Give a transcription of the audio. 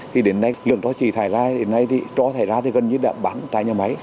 thì đến nay lượng cho xỉ thải ra đến nay thì cho thải ra thì gần như đã bán tại nhà máy